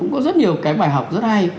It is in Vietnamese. cái bài học rất hay